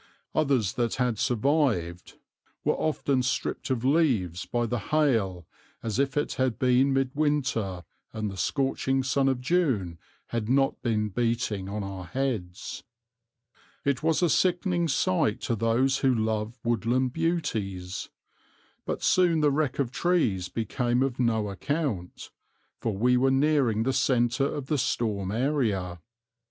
Others that had survived were often stripped of leaves by the hail as if it had been mid winter and the scorching sun of June had not been beating on our heads. It was a sickening sight to those who love woodland beauties. But soon the wreck of trees became of no account, for we were nearing the centre of the storm area.